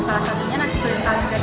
salah satunya nasi goreng valentine ini